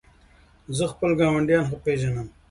زه خپل ګاونډیان ښه پېژنم.